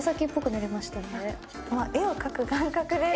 絵を描く感覚で。